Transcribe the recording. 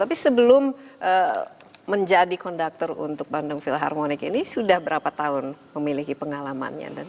tapi sebelum menjadi konduktor untuk bandung philharmonic ini sudah berapa tahun memiliki pengalamannya